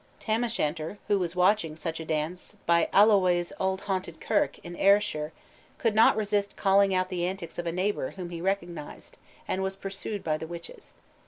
Tam o' Shanter who was watching such a dance "By Alloway's auld haunted kirk" in Ayrshire, could not resist calling out at the antics of a neighbor whom he recognized, and was pursued by the witches.